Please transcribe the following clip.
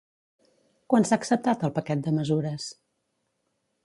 Quan s'ha acceptat el paquet de mesures?